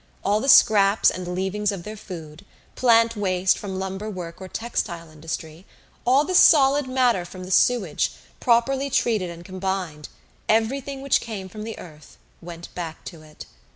All the scraps and leavings of their food, plant waste from lumber work or textile industry, all the solid matter from the sewage, properly treated and combined everything which came from the earth went back to it.